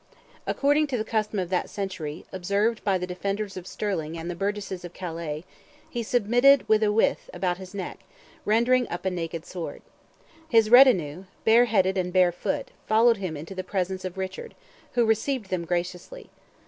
According to the custom of that century—observed by the defenders of Stirling and the burgesses of Calais—he submitted with a wythe about his neck, rendering up a naked sword. His retinue, bareheaded and barefoot, followed him into the presence of Richard, who received them graciously.